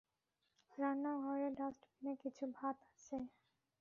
রান্নাঘরের ডাষ্টবিনে কিছু ভাত আছে।